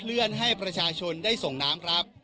เลื่อนให้ประชาชนได้ส่งน้ำครับ